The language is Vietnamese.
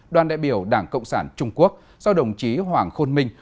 đoàn đại biểu đảng cộng sản trung quốc do đồng chí hoàng khôn minh